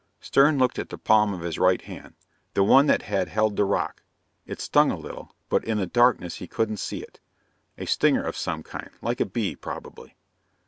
Stern looked at the palm of his right hand, the one that had held the rock. It stung a little, but in the darkness he couldn't see it. A stinger of some kind, like a bee, probably.